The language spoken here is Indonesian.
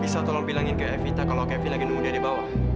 bisa tolong bilangin ke evita kalau kevi lagi nunggu dia di bawah